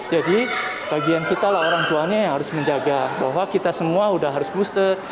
jadi bagian kita lah orang tuanya yang harus menjaga bahwa kita semua sudah harus booster